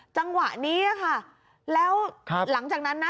จังหวะนี้ค่ะแล้วหลังจากนั้นนะ